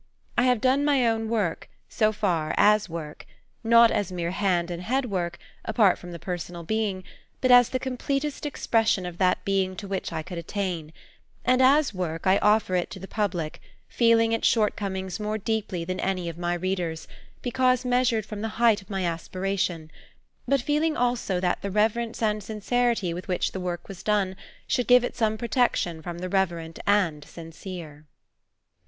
I have done my work, so far, as work, not as mere hand and head work, apart from the personal being, but as the completest expression of that being to which I could attain, and as work I offer it to the public, feeling its shortcomings more deeply than any of my readers, because measured from the height of my aspiration; but feeling also that the reverence and sincerity with which the work was done should give it some protection from the reverent and sincere."